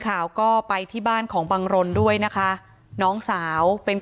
ข่าวก็ไปที่บ้านของบังรนด้วยนะคะน้องสาวเป็น